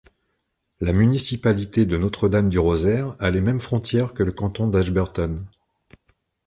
La municipalité de Notre-Dame-du-Rosaire a les mêmes frontières que le canton d'Ashburton.